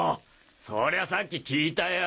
そりゃさっき聞いたよ。